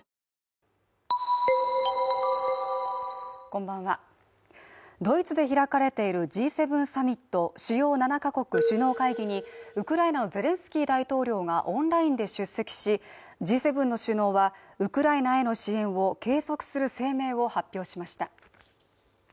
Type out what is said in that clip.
こんばんはドイツで開かれているＧ７サミット＝主要７か国首脳会議にウクライナのゼレンスキー大統領がオンラインで出席しＧ７の首脳はウクライナへの支援を継続する声明を発表しました